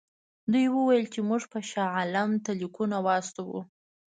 دوی وویل چې موږ به شاه عالم ته لیکونه واستوو.